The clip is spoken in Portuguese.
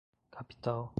capital